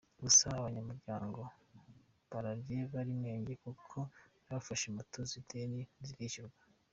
Gusa abanyamuryango bararye bari menge kuko n’abafashe moto z’ideni ntizishyuwe.